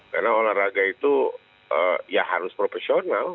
karena olahraga itu ya harus profesional